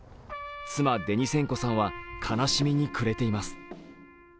妻・デニセンコさんは悲しみに暮れています。